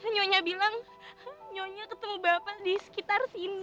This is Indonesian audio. senyunya bilang nyonya ketemu bapak di sekitar sini